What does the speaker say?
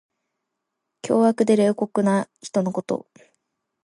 凶悪で冷酷な人のこと。